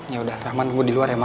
ya udah rahman tunggu di luar ya ma